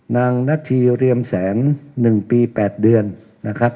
นางนัทธิเรียมแสนหนึ่งปีแปดเดือนนะครับ